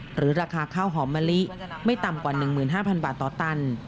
หรือราคาข้าวหอมมะลิไม่ต่ำกว่า๑๕๐๐บาทต่อตัน